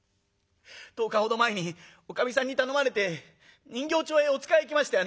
１０日ほど前におかみさんに頼まれて人形町へお使い行きましたよね」。